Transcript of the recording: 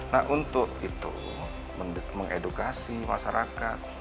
nah untuk itu mengedukasi masyarakat